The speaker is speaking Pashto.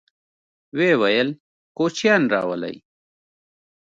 ويې ويل: کوچيان راولئ!